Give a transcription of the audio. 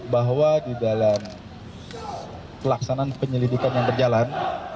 bahwa di dalam pelaksanaan penyelidikan yang berjalan